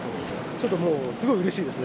ちょっともうすごいうれしいです。